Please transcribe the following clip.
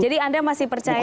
jadi anda masih percaya